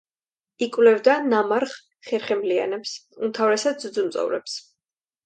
იკვლევდა ნამარხ ხერხემლიანებს, უმთავრესად ძუძუმწოვრებს.